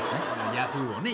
ヤフーをね